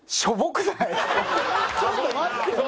ちょっと待ってよ。